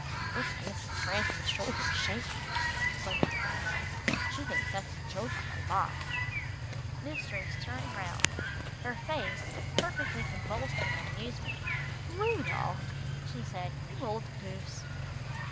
"Look at Mrs. Granton's shoulders shaking," muttered Gringo. "She thinks that's a joke on my boss." Mistress turned round her face perfectly convulsed with amusement. "Rudolph," she said, "you old goose."